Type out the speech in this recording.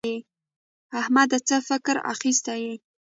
احمده څه فکر اخيستی يې؟